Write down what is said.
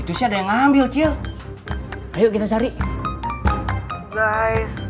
itu sih ada yang ngambil cil ayo kita cari guys